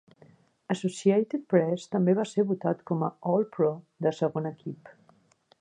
Associated Press també va ser votat com a All-Pro de segon equip.